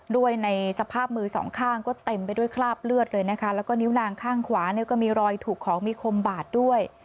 ในสภาพมือสองข้างก็เต็มไปด้วยคราบเลือดเลยนะคะแล้วก็นิ้วนางข้างขวาเนี่ยก็มีรอยถูกของมีคมบาดด้วย